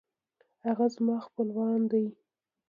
هغه زما خپلوان دی